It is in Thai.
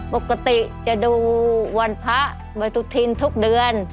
ปกติจะดูวันพระบริธีทุกเดือน